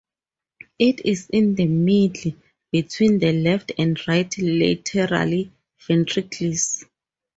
It is in the midline, between the left and right lateral ventricles.